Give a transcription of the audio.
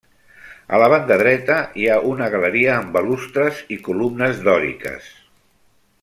A la banda dreta hi ha una galeria amb balustres i columnes dòriques.